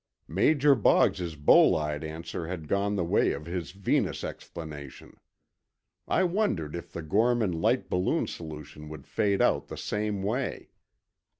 Major Boggs's bolide answer had gone the way of his Venus explanation. I wondered if the Gorman light balloon solution would fade out the same way.